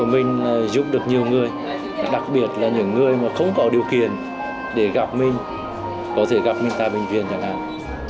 mình giúp được nhiều người đặc biệt là những người mà không có điều kiện để gặp mình có thể gặp mình tại bệnh viện đà nẵng